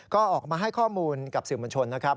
ก็ออกมาให้ข้อมูลกับสื่อมวลชนนะครับ